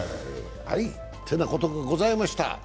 てなことがございました。